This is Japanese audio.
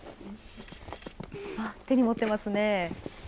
手に持ってますね。